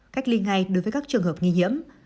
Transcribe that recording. cách ly ngay đối với các trường hợp nghi nhiễm